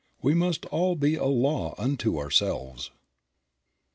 We must all be a law unto ourselves.